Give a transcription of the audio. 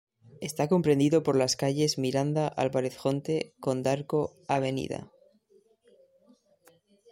Está comprendido por las calles Miranda, Álvarez Jonte, Condarco, Av.